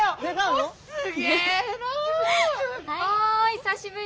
久しぶり。